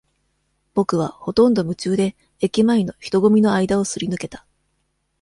ぼくは、ほとんど夢中で、駅前の人ごみの間をすり抜けた。